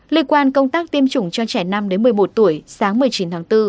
liên quan công tác tiêm chủng cho trẻ năm một mươi một tuổi sáng một mươi chín tháng bốn